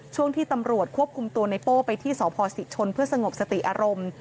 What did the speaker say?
ช่วงที่ตำรวจควบคุมตัวในโป้ไปที่สพศิชนเพื่อสงบสติอารมณ์